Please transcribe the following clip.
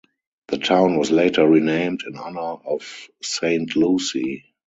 The town was later renamed in honor of Saint Lucy.